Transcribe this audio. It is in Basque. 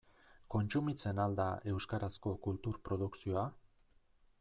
Kontsumitzen al da euskarazko kultur produkzioa?